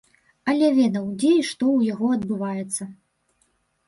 Але ведаў, дзе і што ў яго адбываецца.